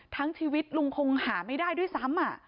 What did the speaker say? ชีวิตลุงคงหาไม่ได้ด้วยซ้ำ